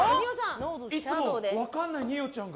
いつも分からない二葉さんが。